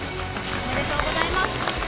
おめでとうございます。